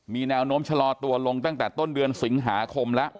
มีแนวโน้มชะลอตัวลงตั้งแต่ต้นเดือนสิงหาคมแล้ว